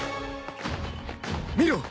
見ろ！